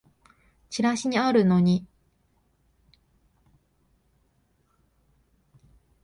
チラシにあるのにいつ行っても欠品で困った